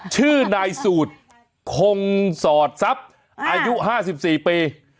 ชื่อนายสูตรคงสอดทรัพย์อายุห้าสิบสี่ปี